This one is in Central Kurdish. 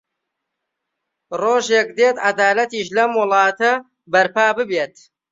ڕۆژێک دێت عەدالەتیش لەم وڵاتە بەرپا ببێت.